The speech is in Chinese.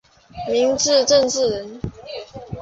明末政治人物。